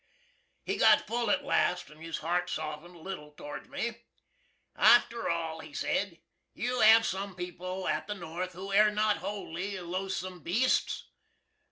He got full at last, and his hart softened a little to'ards me. "After all," he sed, "you have sum people at the North who air not wholly loathsum beasts?"